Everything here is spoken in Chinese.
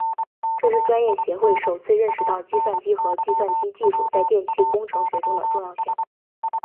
这是专业协会首次认识到计算机和计算机技术在电气工程学中的重要性。